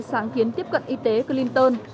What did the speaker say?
sáng kiến tiếp cận y tế clinton